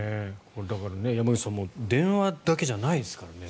だから、山口さんも電話だけじゃないですからね。